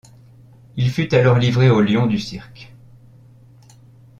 Il fut alors livré aux lions du cirque.